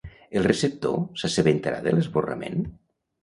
El receptor s'assabentarà de l'esborrament?